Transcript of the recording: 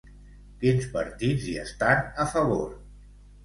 Quins partits hi estan a favor?